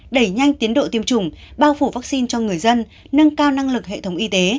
đẩy nhanh tiến độ tiêm chủng bao phủ vaccine cho người dân nâng cao năng lực hệ thống y tế